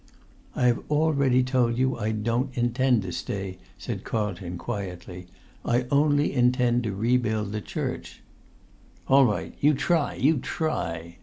"I have already told you I don't intend to stay," said Carlton quietly. "I only intend to rebuild the church." [Pg 99]"All right! You try! You try!"